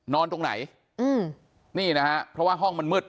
ตรงไหนนี่นะฮะเพราะว่าห้องมันมืด